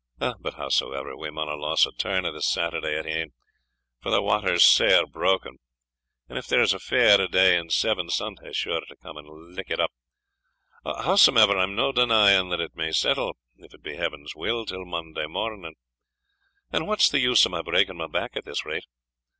But, howsoever, we mauna lose a turn o' this Saturday at e'en, for the wather's sair broken, and if there's a fair day in seven, Sunday's sure to come and lick it up Howsomever, I'm no denying that it may settle, if it be Heaven's will, till Monday morning, and what's the use o' my breaking my back at this rate?